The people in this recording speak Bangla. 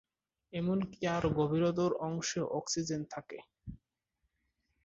এমন কী এর গভীরতর অংশেও অক্সিজেন থাকে।